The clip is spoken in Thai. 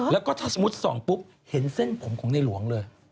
แล้วก็ถ้าสมมุติส่องปุ๊บเห็นเส้นผมของในหลวงเลย